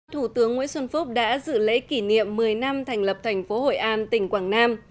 thủ tướng nguyễn xuân phúc đã dự lễ kỷ niệm một mươi năm thành lập thành phố hội an tỉnh quảng nam